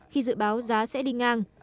khi dự báo giá sẽ đi ngang